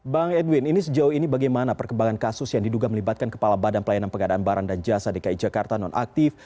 bang edwin ini sejauh ini bagaimana perkembangan kasus yang diduga melibatkan kepala badan pelayanan pengadaan barang dan jasa dki jakarta nonaktif